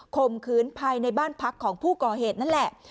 มขืนภายในบ้านพักของผู้ก่อเหตุนั่นแหละ